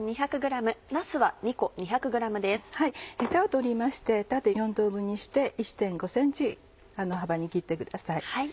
ヘタを取りまして縦４等分にして１．５ｃｍ幅に切ってください。